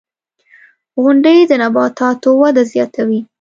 • غونډۍ د نباتاتو وده زیاتوي.